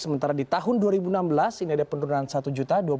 sementara di tahun dua ribu enam belas ini ada penurunan satu juta